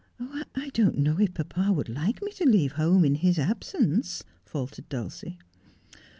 ' I don't know if papa would like me to leave home in his absence,' faltered Dulcie.